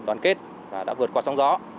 đoàn kết và đã vượt qua sóng gió